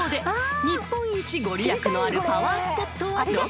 ［日本一御利益のあるパワースポットはどこ？］